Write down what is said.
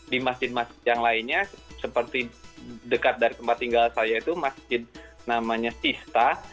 di masjid masjid yang lainnya seperti dekat dari tempat tinggal saya itu masjid namanya sista